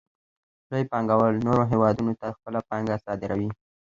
لوی پانګوال نورو هېوادونو ته خپله پانګه صادروي